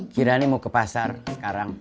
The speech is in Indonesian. kirani mau ke pasar sekarang